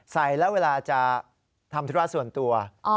ใส่แล้วเวลาจะทำธุระส่วนตัว